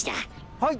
はい。